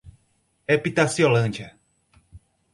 Epitaciolândia